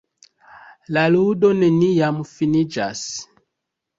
La ludo neniam finiĝas.